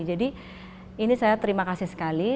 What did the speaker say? jadi ini saya terima kasih sekali